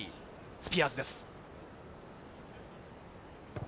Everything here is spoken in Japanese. スピアーズです。